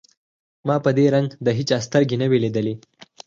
ما په دې رنگ د هېچا سترګې نه وې ليدلې.